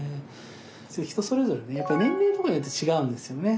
人それぞれ年齢とかによって違うんですよね。